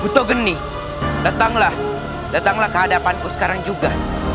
buto geni datanglah datanglah ke hadapanku sekarang juga